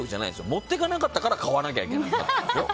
持っていかなかったから買わなきゃいけないんですよ。